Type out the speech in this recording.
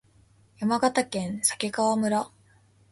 山形県鮭川村